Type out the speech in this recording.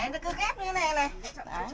đấy nó cứ ghép như thế này